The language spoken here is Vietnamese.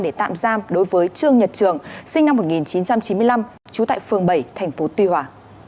để tạm giam đối với trương nhật trường sinh năm một nghìn chín trăm chín mươi năm trú tại phường bảy tp tuy hòa